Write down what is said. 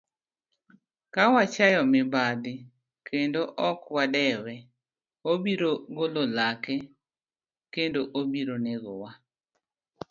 Ka wachayo mibadhi kendo ok wadewe, obiro golo lake kendo obiro negowa